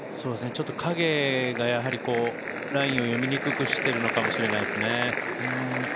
影がラインを読みにくくしているのかもしれないですね。